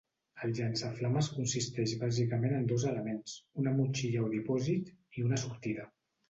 El llançaflames consisteix bàsicament en dos elements: una motxilla o dipòsit, i una sortida.